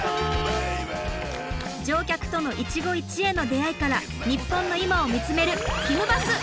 乗客との一期一会の出会いから日本の今を見つめるひむバス！